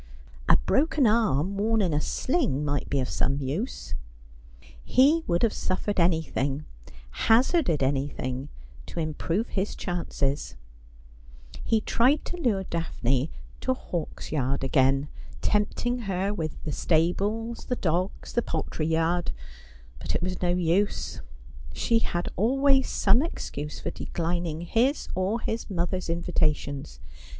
A broken arm, worn in a sling, might be of some use.' He would have suffered anything, hazarded anything, to im prove his chances. He tried to lure Daphne to Hawksyard 'Love tool not he Constreined by Maistrie.' 197 again ; tempting her with the stables, the dogs, the poultry yard ; but it was no use. She had always some excuse for declining his or his mother's invitations.